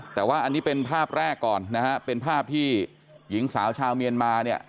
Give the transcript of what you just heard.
แต่ว่าอันนี้เป็นภาพแรกก่อนนะฮะเป็นภาพที่หญิงสาวชาวเมียนมาเนี่ย